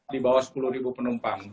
di bawah sepuluh penumpang